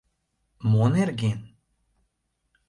— Мо нерген?